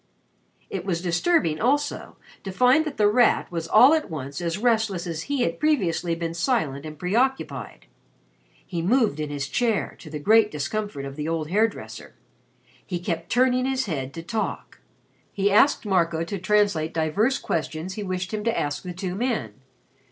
It was disturbing, also, to find that The Rat was all at once as restless as he had previously been silent and preoccupied. He moved in his chair, to the great discomfort of the old hair dresser. He kept turning his head to talk. He asked Marco to translate divers questions he wished him to ask the two men.